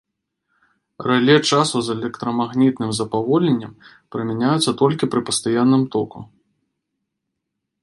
Рэле часу з электрамагнітным запаволеннем прымяняюцца толькі пры пастаянным току.